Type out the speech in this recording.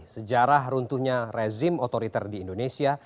sejarah runtuhnya rezim otoriter di indonesia